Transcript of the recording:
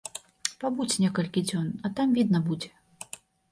Пабудзь некалькі дзён, а там відна будзе.